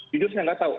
jujur saya nggak tahu